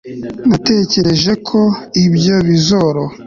Natekereje ko ibyo bizoroha